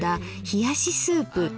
「冷しスープ」。